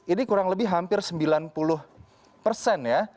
ini kurang lebih hampir sembilan puluh persen ya